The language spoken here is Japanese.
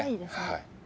はい。